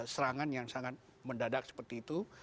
serangan yang sangat mendadak seperti itu